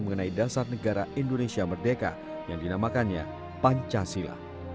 mengenai dasar negara indonesia merdeka yang dinamakannya pancasila